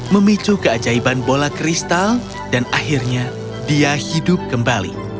memicu keajaiban bola kristal dan akhirnya dia hidup kembali